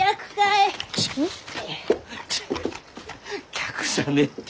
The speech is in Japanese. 客じゃねえって。